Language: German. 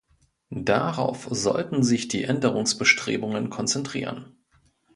Darauf sollten sich die Änderungsbestrebungen konzentrieren!